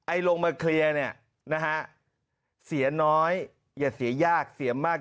ลงมาเคลียร์เนี่ยนะฮะเสียน้อยอย่าเสียยากเสียมาก